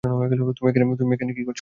তুমি এখানে কি করছ, মেয়ে?